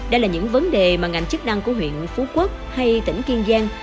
đây là những vấn đề mà ngành chức năng của huyện phú quốc hay tỉnh kiên giang